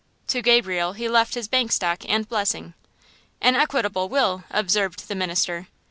To Gabriel he left his bank stock and blessing." "An equitable will," observed the minister.